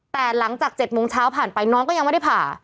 แต่หลังจาก๗โมงเช้าผ่านไปน้องก็ยังไม่ได้ผ่า